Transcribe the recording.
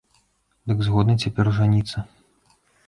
Дык згодны цяпер жаніцца?